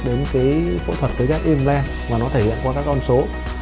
đến cái phẫu thuật cái ghét im len và nó thể hiện qua các con số